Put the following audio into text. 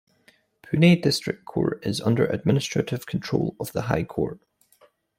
Pune District Court is under administrative control of the High Court.